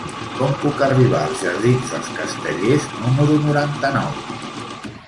Com puc arribar als jardins dels Castellers número noranta-nou?